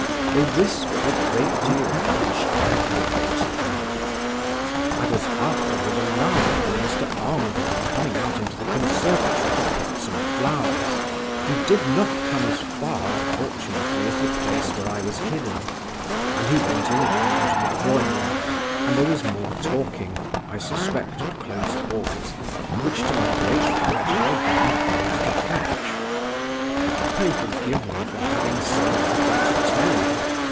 They whispered a great deal, which aggravated me. I was afterward alarmed by Mr. Armadale coming out into the conservatory to pick some flowers. He did not come as far, fortunately, as the place where I was hidden; and he went in again into the drawing room, and there was more talking (I suspect at close quarters), which to my great regret I again failed to catch. Pray forgive me for having so little to tell you.